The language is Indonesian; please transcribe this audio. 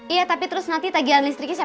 iya tapi terus nanti tagihan listriknya